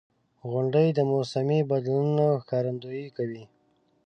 • غونډۍ د موسمي بدلونونو ښکارندویي کوي.